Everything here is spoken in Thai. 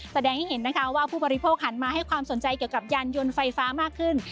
แสดงให้เห็นนะคะว่าผู้บริโภคหันมาให้ความสนใจเกี่ยวกับยานยนต์ไฟฟ้ามากขึ้น